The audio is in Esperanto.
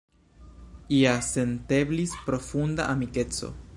Ja senteblis profunda amikeco.